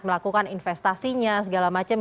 melakukan investasinya segala macam